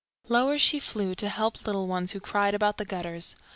"] Lower she flew to help the little ones who cried about the gutters.